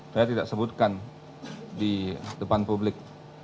saya tidak sebutkan di depan publik